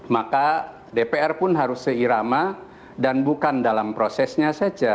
maka dpr pun harus seirama dan bukan dalam prosesnya saja